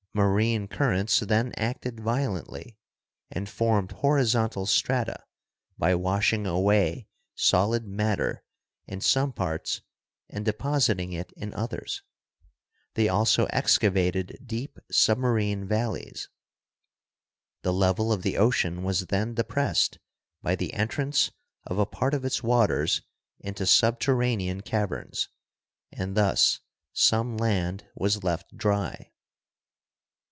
Marine currents then acted violently and formed horizontal strata by washing away solid matter in some parts and depositing it in others ; they also excavated deep submarine valleys. The level of the ocean was then depressed by the entrance of a part of its waters into subterranean caverns, and thus some land was left dry.